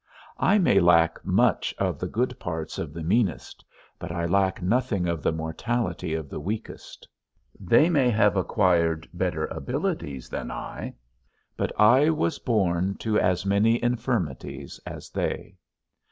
I may lack much of the good parts of the meanest, but I lack nothing of the mortality of the weakest; they may have acquired better abilities than I, but I was born to as many infirmities as they.